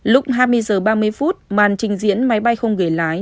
lúc hai mươi giờ ba mươi phút màn trình diễn máy bay không gửi lái